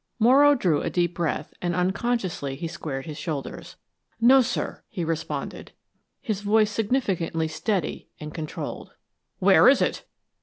Morrow drew a deep breath and unconsciously he squared his shoulders. "No, sir," he responded, his voice significantly steady and controlled. "Where is it?"